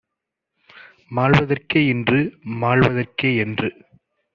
மாள்வதற்கே இன்று மாள்வதற்கே!" என்று